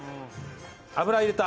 油入れた。